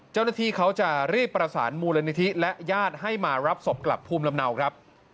เจ้าหน้าที่เขาจะรีบประสานมูลนิธิและญาติให้มารับศพกลับภูมิลำเนาครับ